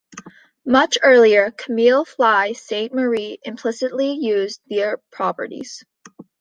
Much earlier, Camille Flye Sainte-Marie implicitly used their properties.